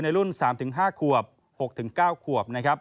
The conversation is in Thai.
รุ่น๓๕ขวบ๖๙ขวบนะครับ